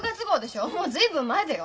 もう随分前だよ。